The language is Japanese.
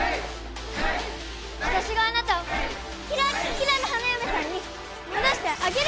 私があなたをキラッキラの花嫁さんに戻してあげる。